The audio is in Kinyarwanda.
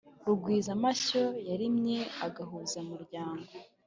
rugwiza-mashyo yarimye aguhaza umunyago.